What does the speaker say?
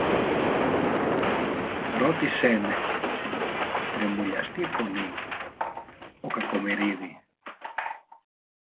ρώτησε με τρεμουλιαστή φωνή ο Κακομοιρίδη